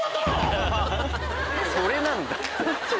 それなんだ。